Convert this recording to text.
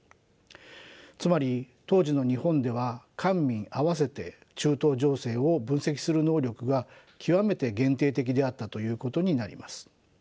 つまり当時の日本では官民合わせて中東情勢を分析する能力が極めて限定的であったということになります。